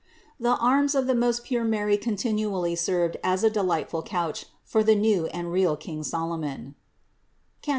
The arms of the most pure Mary continually served as a delightful couch for the new and real King Solomon (Cant.